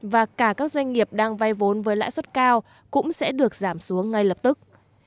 và cả các doanh nghiệp đang vay vốn với lãi suất cao cũng sẽ được giảm xuống ngay lập tức